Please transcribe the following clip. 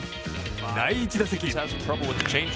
第１打席。